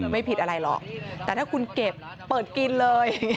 ไม่ผิดอะไรหรอกแต่ถ้าคุณเก็บเปิดกินเลย